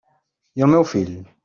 I el meu fill?